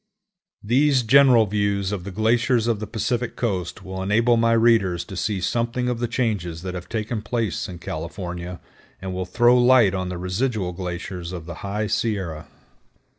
These general views of the glaciers of the Pacific Coast will enable my readers to see something of the changes that have taken place in California, and will throw light on the residual glaciers of the High Sierra.